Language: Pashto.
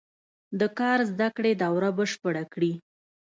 د کار زده کړې دوره بشپړه کړي.